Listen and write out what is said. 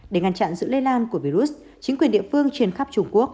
để ngăn chặn sự lây lan của virus chính quyền địa phương trên khắp trung quốc